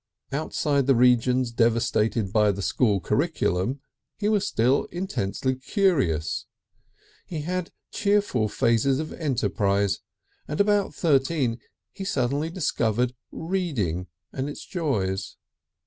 Outside the regions devastated by the school curriculum he was still intensely curious. He had cheerful phases of enterprise, and about thirteen he suddenly discovered reading and its joys.